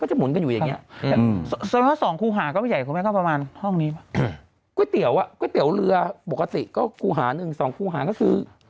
สมมุติก๋วยเตี๋ยวอ่ะก๋วยเตี๋ยวเรือปกติก็ครูหาหนึ่งสองครูหาก็คือ